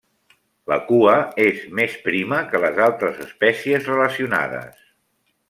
La cua és més prima que les altres espècies relacionades.